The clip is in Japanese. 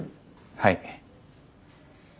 はい。